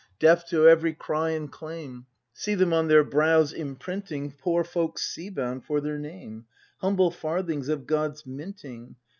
Deaf to every cry and claim. See them on their brows imprinting "Poor folks sea bound" for their name, "Humble farthings of God's minting!"